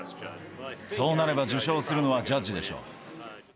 そうなれば受賞するのはジャッジでしょう。